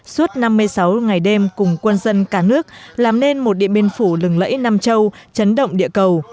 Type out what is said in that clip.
suốt năm mươi sáu ngày đêm cùng quân dân cả nước làm nên một điện biên phủ lừng lẫy nam châu chấn động địa cầu